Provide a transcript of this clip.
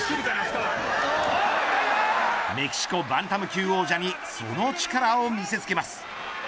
メキシコ、バンタム級王者にその力を見せつけます。